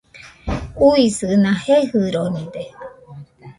Uisɨna jejɨronide